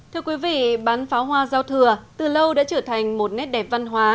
thưa quý vị bắn pháo hoa giao thừa từ lâu đã trở thành một nét đẹp văn hóa